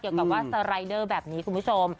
เกี่ยวกับว่าสไลเดอร์แบบนี้คุณผู้ชม